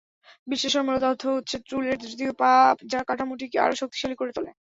বিশ্লেষণমূলক তথ্য হচ্ছে টুলের তৃতীয় পা—যা কাঠামোটিকে আরও শক্তিশালী করে তোলে।